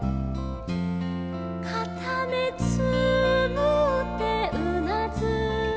「かためつむってうなずいた」